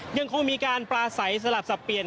ยังคงมีการปลาใสสลับสับเปลี่ยน